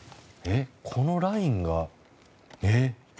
このラインがえ？